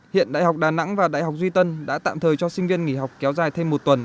hiện đại học đà nẵng và đại học duy tân đã tạm thời cho sinh viên nghỉ học kéo dài thêm một tuần